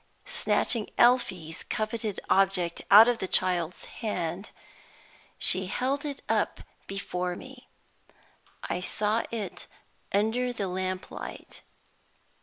Snatching Elfie's coveted object out of the child's hand, she held it up before me. I saw it under the lamp light.